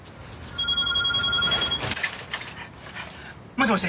もしもし！